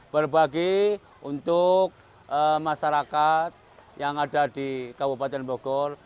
berbagi untuk masyarakat yang ada di kabupaten bogor